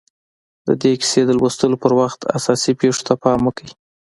د دې کیسې د لوستلو پر وخت اساسي پېښو ته پام وکړئ